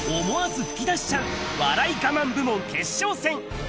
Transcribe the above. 思わず吹き出しちゃう、笑いガマン部門決勝戦。